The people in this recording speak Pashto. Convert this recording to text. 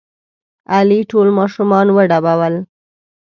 علي ټول ماشومان وډبول.